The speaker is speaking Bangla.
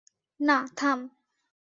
না, থাম!